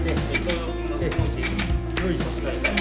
はい。